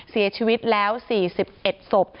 เสียชีวิตแล้ว๔๑ศพ